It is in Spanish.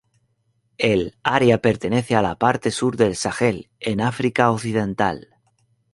El área pertenece a la parte sur del Sahel en África Occidental.